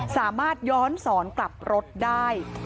สามารถย้อนสอนกลับรถได้